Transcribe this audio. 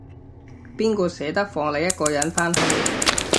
邊個捨得放你一個人返去